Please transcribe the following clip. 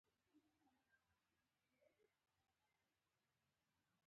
دا تهدیدونه یې شنډ کړل.